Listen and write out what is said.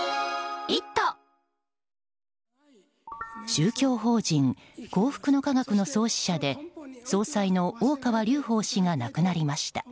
宗教法人幸福の科学の創始者で総裁の大川隆法氏が亡くなりました。